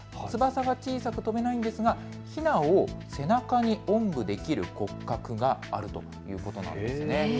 この飛べない鳥、翼が小さく飛べないんですが、ひなを背中におんぶできる骨格があるということなんです。